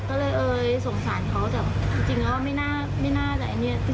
ก็เลยเอ่ยสงสารเขาแต่จริงแล้วไม่น่าจะอันนี้